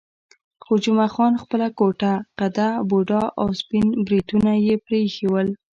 خو جمعه خان خپله کوټه قده، بوډا او سپین بریتونه یې پرې ایښي ول.